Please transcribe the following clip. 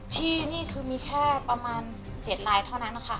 ที่นี่คือแค่มี๗ลายเท่านั้น